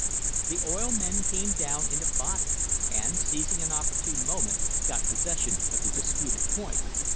The oil men came down in a body, and, seizing an opportune moment, got possession of the disputed point.